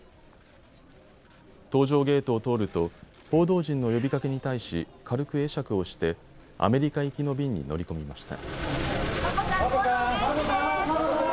搭乗ゲートを通ると報道陣の呼びかけに対し軽く会釈をしてアメリカ行きの便に乗り込みました。